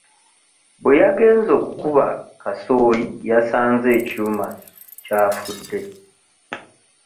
Bwe yagenze okukuba kasooli yasanze ekyuma kyafuddde.